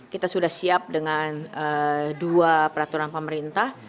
kita sudah siap dengan dua peraturan pemerintah